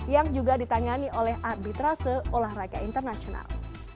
yang juga ditangani oleh arbitrase olahraga internasional